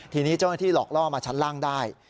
ทีนี้เจ้าหน้าที่หลอกล่อมาชั้นล่างได้